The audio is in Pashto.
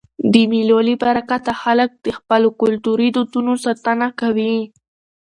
د مېلو له برکته خلک د خپلو کلتوري دودونو ساتنه کوي.